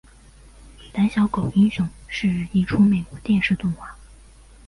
胆小狗英雄是一出美国电视动画。